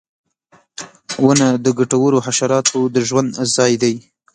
• ونه د ګټورو حشراتو د ژوند ځای دی.